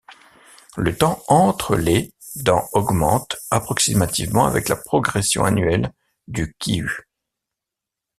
Le temps entre les dans augmente approximativement avec la progression annuelle du kyu.